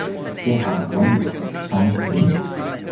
They have one son: James.